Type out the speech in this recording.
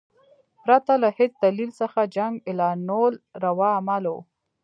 پرته له هیڅ دلیل څخه جنګ اعلانول روا عمل وو.